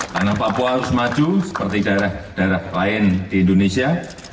karena papua harus maju seperti daerah daerah lain di indonesia